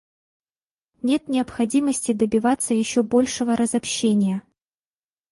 Нет необходимости добиваться еще большего разобщения.